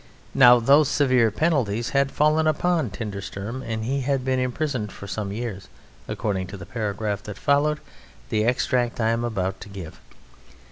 Now those severe penalties had fallen upon Tindersturm and he had been imprisoned for some years according to the paragraph that followed the extract I am about to give.